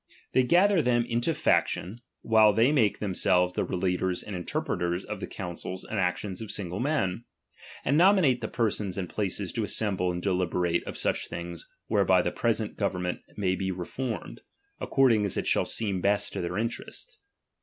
They gather them m\.o faction, while they make themselves the relators and interpreters of the counsels and ac tions of single men, and nominate the persons and places to assemble and deliberate of such things whereby the present government may be reformed, according as it shall seem best to their interests.